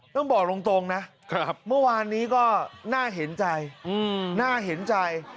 ต้องบอกลงตรงนะเมื่อวานนี้ก็น่าเห็นใจ